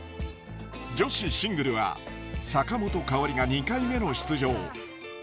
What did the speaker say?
女子シングルは坂本花織が２回目の出場。